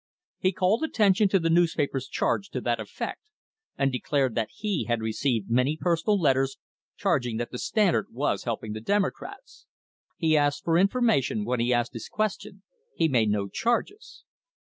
He called attention to the newspapers' charge to that effect, and declared that he had received many personal letters charging that the Stand ard was helping the Democrats. He asked for information when he asked his question; he made no charges.